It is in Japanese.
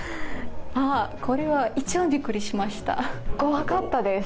ああ、これは一番びっくりしました。